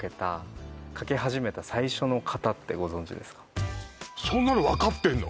ちなみにそんなの分かってんの？